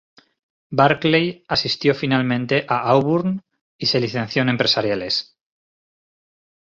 Barkley asistió finalmente a Auburn y se licenció en empresariales.